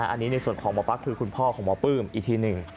อันนี้ในส่วนของหมอปั๊กคือคุณพ่อของหมอปลื้มอีกทีหนึ่ง